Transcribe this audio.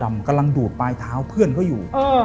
กำลังดูดปลายเท้าเพื่อนเขาอยู่